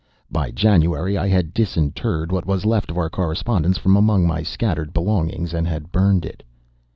By January I had disinterred what was left of our correspondence from among my scattered belongings and had burned it.